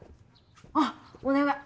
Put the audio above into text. あっお願い。